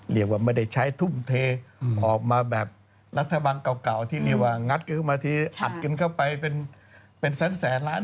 เรียกว่าไม่ได้ใช้ทุ่มเทออกมาแบบรัฐบาลเก่าที่เรียกว่างัดกันเข้ามาทีอัดกันเข้าไปเป็นแสนล้าน